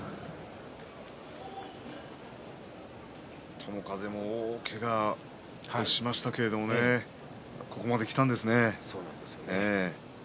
友風も大けがをしましたがここまできたんですね。